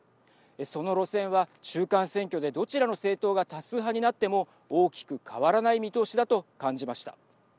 その路線は中間選挙でどちらの政党が多数派になっても大きく変わらない見通しだと感じました。